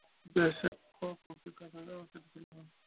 ব্যস এক কোপেই কেটেছিল না?